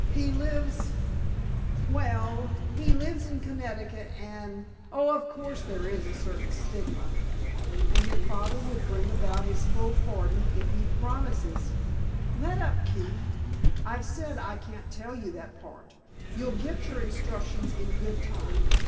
He lives—well—he lives in Connecticut—and—oh, of course, there is a certain stigma." "And your father will bring about his full pardon if he promises——" "Let up, Keefe; I've said I can't tell you that part—you'll get your instructions in good time.